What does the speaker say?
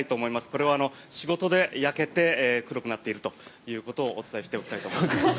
これは仕事で焼けて黒くなっているということをお伝えしておきたいと思います。